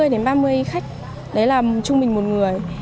ba mươi đến ba mươi khách đấy là trung bình một người